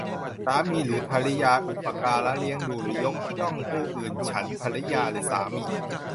สามีหรือภริยาอุปการะเลี้ยงดูหรือยกย่องผู้อื่นฉันภริยาหรือสามี